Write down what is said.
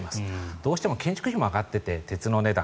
どうしても建築費が上がっていて鉄の値段